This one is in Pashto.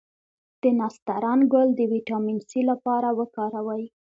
د نسترن ګل د ویټامین سي لپاره وکاروئ